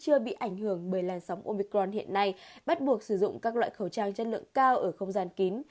châu âu vẫn chưa bị ảnh hưởng bởi làn sóng omicron hiện nay bắt buộc sử dụng các loại khẩu trang chất lượng cao ở không gian kín